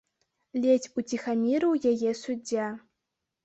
Ледзь уціхамірыў яе суддзя.